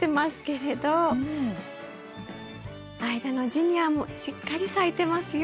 間のジニアもしっかり咲いてますよ。